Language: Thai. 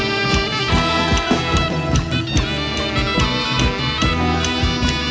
กลับไปที่นี่